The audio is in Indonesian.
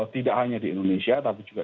tidak hanya di indonesia tapi juga